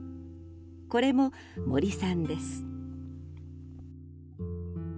これも森さんです。